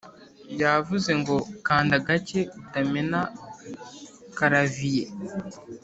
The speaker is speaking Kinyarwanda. Yavuze ngo kanda gake utamena karaviye